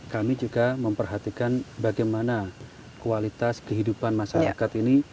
kami juga memperhatikan bagaimana kualitas kehidupan masyarakat ini